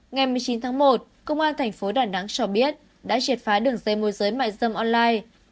ngày một mươi chín một công an tp đà nẵng cho biết đã triệt phá đường dây môi giới mại dâm online